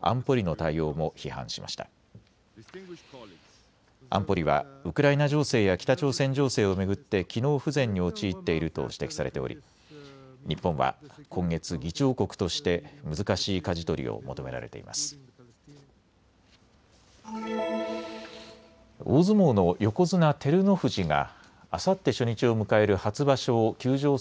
安保理はウクライナ情勢や北朝鮮情勢を巡って機能不全に陥っていると指摘されており日本は今月議長国として難しいかじ取りを求められています。